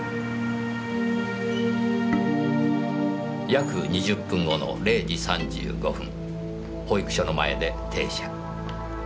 約２０分後の０時３５分保育所の前で停車。